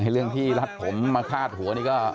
เรื่องที่รัดผมมาคาดหัวนี่ก็